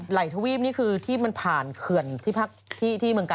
ไหลทวีบนี่คือที่มันผ่านเขื่อนที่เมืองการนี้ใช่ไหม